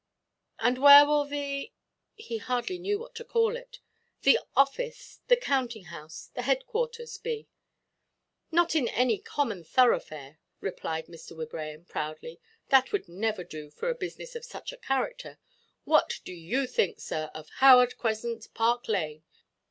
"And where will the"—he hardly knew what to call it—"the office, the counting–house, the headquarters be?" "Not in any common thoroughfare," replied Mr. Wibraham, proudly; "that would never do for a business of such a character. What do you think, sir, of Howard Crescent, Park Lane?